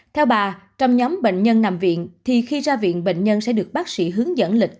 theo bà trong nhóm bệnh nhân nằm viện thì khi ra viện bệnh nhân sẽ được bác sĩ hướng dẫn lịch